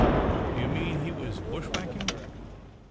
'' Do you mean he was bushwhacking